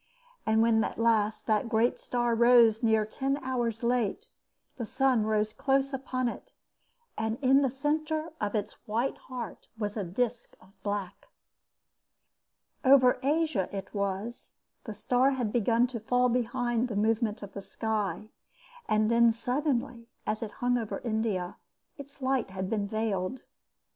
And when at last the great star rose near ten hours late, the sun rose close upon it, and in the centre of its white heart was a disc of black. Over Asia it was the star had begun to fall behind the movement of the sky, and then suddenly, as it hung over India, its light had been veiled.